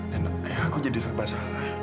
dan aku jadi serba salah